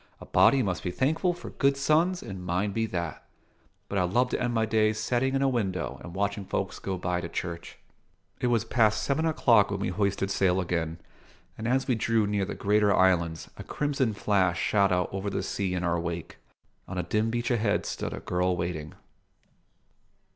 "A body must be thankful for good sons, and mine be that. But I'd love to end my days settin' in a window and watchin' folks go by to church." It was past seven o'clock when we hoisted sail again, and as we drew near the greater islands a crimson flash shot out over the sea in our wake. On a dim beach ahead stood a girl waiting.